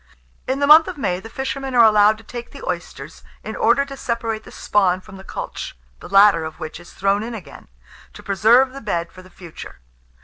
In the month of May, the fishermen are allowed to take the oysters, in order to separate the spawn from the cultch, the latter of which is thrown in again, to preserve the bed for the future.